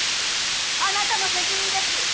あなたの責任です！